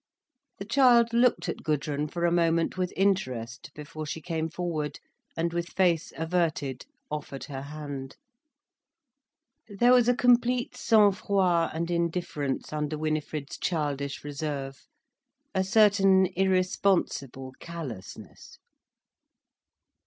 The child looked at Gudrun for a moment with interest, before she came forward and with face averted offered her hand. There was a complete sang froid and indifference under Winifred's childish reserve, a certain irresponsible callousness.